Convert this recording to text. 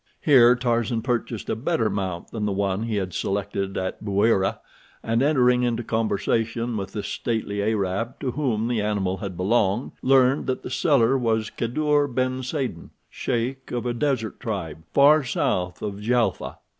Here Tarzan purchased a better mount than the one he had selected at Bouira, and, entering into conversation with the stately Arab to whom the animal had belonged, learned that the seller was Kadour ben Saden, sheik of a desert tribe far south of Djelfa.